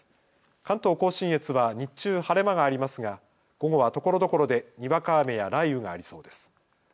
関東甲信越は日中、晴れ間がありますが午後はところどころでにわか雨や雷雨がありそうです。